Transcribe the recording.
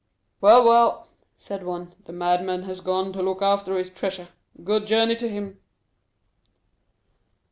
"Well, well," said one, "the madman has gone to look after his treasure. Good journey to him!"